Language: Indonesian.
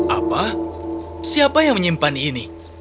apa siapa yang menyimpan ini